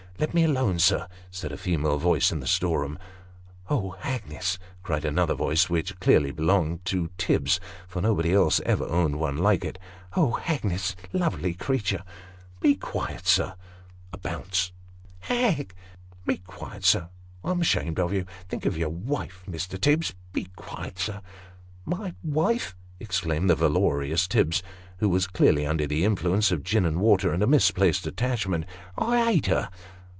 " Let me alone, sir," said a female voice in the storeroom. " Oh, Hagnes !" cried another voice, which clearly belonged to Tibbs, for nobody else ever owned one like it. " Oh, Hagnes lovely creature !"" Be quiet, sir !" (A bounce.) "Hag " Be quiet, sir I am ashamed of you. Think of your wife, Mr. Tibbs. Be quiet, sir !"" My wife !" exclaimed the valorous Tibbs, who was clearly under the influence of gin and water, and a misplaced attachment ;" I ate her